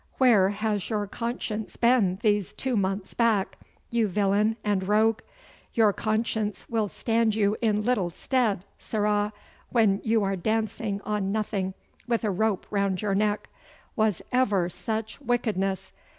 Where has your conscience been these two months back, you villain and rogue? Your conscience will stand you in little stead, sirrah, when you are dancing on nothing with a rope round your neck. Was ever such wickedness?